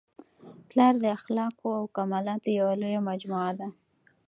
پلار د اخلاقو او کمالاتو یوه لویه مجموعه ده.